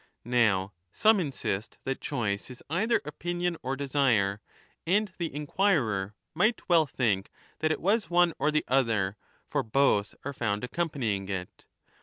Now some insist that choice is either opinion or desire, and the inquirer might well think that it was one or the other, for both are found accompanying it.